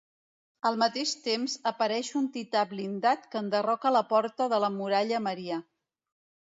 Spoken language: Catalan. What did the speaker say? Al mateix temps, apareix un tità blindat que enderroca la porta de la Muralla Maria.